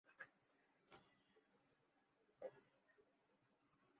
তিনি উসমানীয় সাম্রাজ্যের সাথে সংঘাতে জড়িয়ে পড়েন।